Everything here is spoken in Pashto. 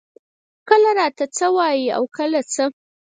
کله راته څۀ وائي او کله څۀ ـ